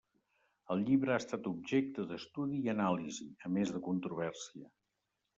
El llibre ha estat objecte d'estudi i anàlisi, a més de controvèrsia.